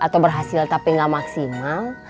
atau berhasil tapi nggak maksimal